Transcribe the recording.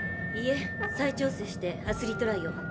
いえ再調整して明日リトライを。